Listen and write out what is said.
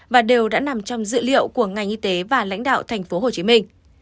và đều đã nằm trong dự liệu của ngành y tế và lãnh đạo thành phố hồ chí minh